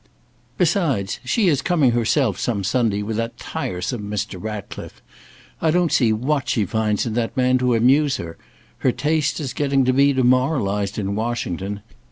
Besides, she is coming herself some Sunday with that tiresome Mr. Ratcliffe. I don't see what she finds in that man to amuse her. Her taste is getting to be demoralised in Washington.